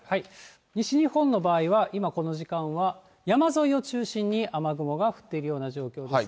西日本の場合は、今この時間は、山沿いを中心に雨雲が降っているような状況ですが。